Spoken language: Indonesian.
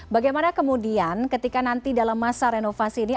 bagaimana kemudian ketika nanti dalam masa renovasi ini